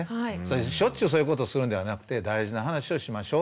しょっちゅうそういうことするんではなくて大事な話をしましょうと。